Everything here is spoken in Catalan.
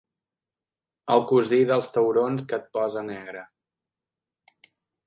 El cosí dels taurons que et posa negre.